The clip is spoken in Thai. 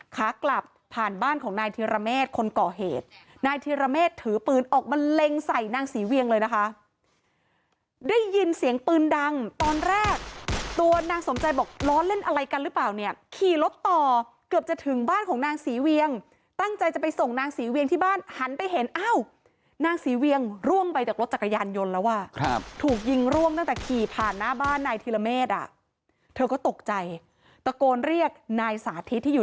ค้ากลับผ่านบ้านของนายธิระเมฆคนก่อเหตุนายธิระเมฆถือปืนออกมาเล็งใส่นางสีเวียงเลยนะคะได้ยินเสียงปืนดังตอนแรกตัวนางสมใจบอกล้อเล่นอะไรกันหรือเปล่าเนี่ยขี่รถต่อเกือบจะถึงบ้านของนางสีเวียงตั้งใจจะไปส่งนางสีเวียงที่บ้านหันไปเห็นอ้าวนางสีเวียงร่วงไปจากรถจักรยานยนต์แล้วว่าถู